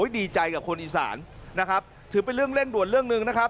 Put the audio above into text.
ดีใจกับคนอีสานถือเป็นเรื่องเร่งด่วนเรื่องหนึ่ง